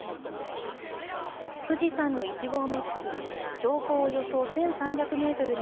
富士山の１合目付近、標高およそ１３００メートルに